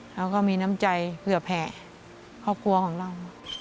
แล้วก็มีน้ำใจเผื่อแผ่ครอบครัวของเรา